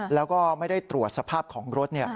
แล้วก็ไม่ได้ตรวจสภาพของรถ